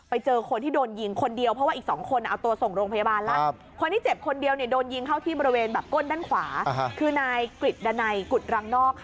อายุ๒๐ยิ่งเด็กกรูดนะฮะใช่ค่ะ